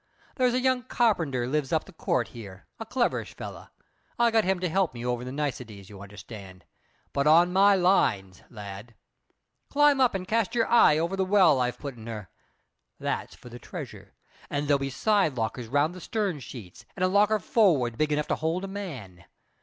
There's a young carpenter lives up the court here a cleverish fellow. I got him to help me over the niceties, you understand; but on my lines, lad. Climb up and cast your eye over the well I've put in her. That's for the treasure; and there'll be side lockers round the stern sheets, and a locker forward big enough to hold a man.